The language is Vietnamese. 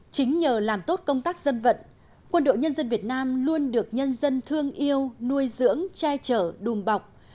chính nhờ làm tốt công tác dân vận quân đội nhân dân việt nam luôn được nhân dân thương yêu nuôi dưỡng che chở đùm bọc